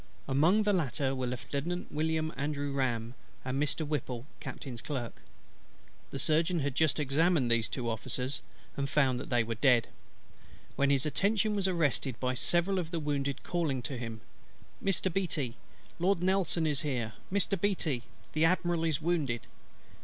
Among the latter were Lieutenant WILLIAM ANDREW RAM, and Mr. WHIPPLE Captain's Clerk. The Surgeon had just examined these two Officers, and found that they were dead, when his attention was arrested by several of the wounded calling to him, "Mr. BEATTY, Lord NELSON is here: Mr. BEATTY, the Admiral is wounded."